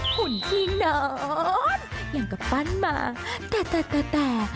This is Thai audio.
หุ่นที่นอนอย่างกับปั้นมาแต่แต่